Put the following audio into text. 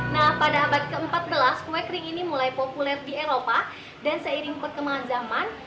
nah pada abad ke empat belas kue kering ini mulai populer di eropa dan seiring perkembangan zaman